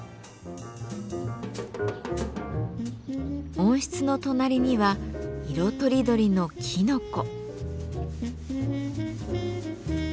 温室の隣には色とりどりのきのこ。